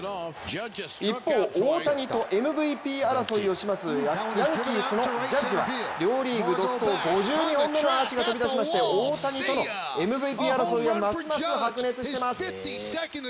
一方、大谷とＭＶＰ争いをします、ヤンキースのジャッジは両リーグ独走５２本目のアーチが飛び出しまして大谷とのМＶＰ争いはますます白熱しています。